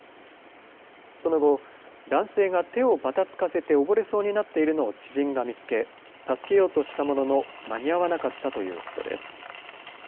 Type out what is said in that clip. その後、男性が手をばたつかせて溺れそうになっているのを知人が見つけ助けようとしたものの、間に合わなかったということです。